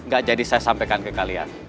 gak jadi saya sampaikan ke kalian